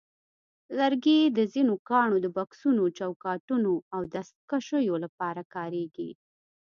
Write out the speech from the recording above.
لرګي د ځینو ګاڼو د بکسونو، چوکاټونو، او دستکشیو لپاره کارېږي.